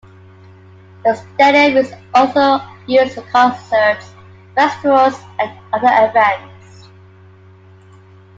The stadium is also used for concerts, festivals and other events.